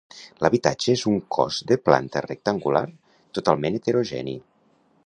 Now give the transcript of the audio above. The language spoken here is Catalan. L'habitatge és un cos de planta rectangular, totalment heterogeni.